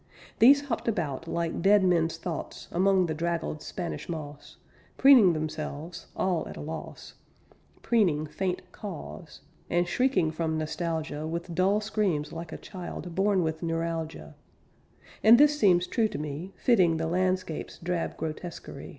These hopped about like dead men's thoughts Among the draggled Spanish moss, Preening themselves, all at a loss, Preening faint caws, And shrieking from nostalgia With dull screams like a child Born with neuralgia And this seems true to me, Fitting the landscape's drab grotesquery.